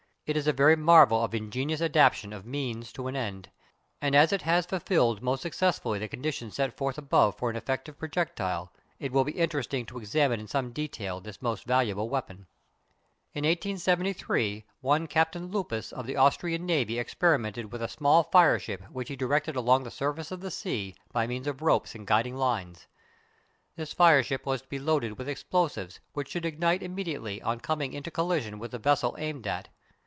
It is a very marvel of ingenious adaptation of means to an end, and as it has fulfilled most successfully the conditions set forth above for an effective projectile it will be interesting to examine in some detail this most valuable weapon. In 1873 one Captain Lupuis of the Austrian navy experimented with a small fireship which he directed along the surface of the sea by means of ropes and guiding lines. This fireship was to be loaded with explosives which should ignite immediately on coming into collision with the vessel aimed at.